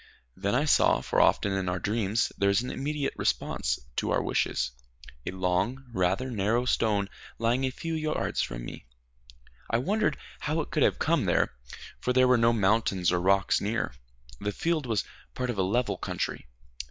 Then I saw, for often in our dreams there is an immediate response to our wishes, a long, rather narrow stone lying a few yards from me. I wondered how it could have come there, for there were no mountains or rocks near: the field was part of a level country.